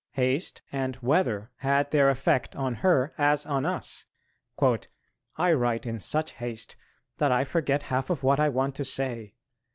Haste and weather had their effect on her as on us: "I write in such haste that I forget half of what I want to say....